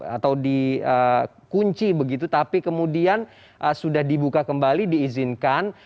atau dikunci begitu tapi kemudian sudah dibuka kembali diizinkan